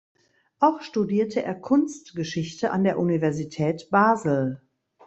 Auch studierte er Kunstgeschichte an der Universität Basel.